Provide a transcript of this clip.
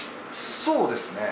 そうですね。